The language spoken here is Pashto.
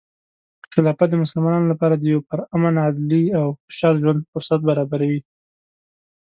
خلافت د مسلمانانو لپاره د یو پرامن، عدلي، او خوشحال ژوند فرصت برابروي.